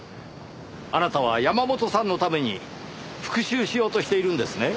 あなたは山本さんのために復讐しようとしているんですね。